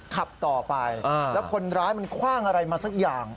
ขับต่อไปแล้วคนร้ายมันคว่างอะไรมาสักอย่าง